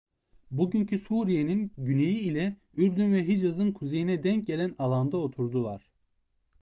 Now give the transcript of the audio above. Bugünkü Suriye'nin güneyi ile Ürdün ve Hicaz'ın kuzeyine denk gelen alanda oturdular.